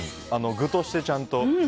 具として、ちゃんと。